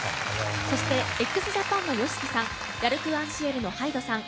そしてＸＪＡＰＡＮのＹＯＳＨＩＫＩさんＬ’ＡｒｃｅｎＣｉｅｌのＨＹＤＥさん